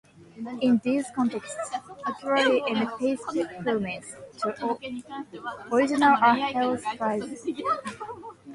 In these contexts, accuracy and faithfulness to the original are highly prized.